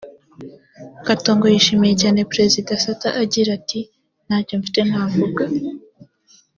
Katongo yashimiye cyane Perezida Sata agira ati “ Nta cyo mfite navuga